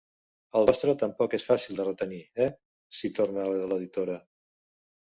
El vostre tampoc és fàcil de retenir, eh? —s'hi torna l'editora.